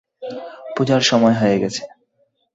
পূজার সময় হয়ে গেছে।